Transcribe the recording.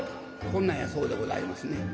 こんなんやそうでございますね。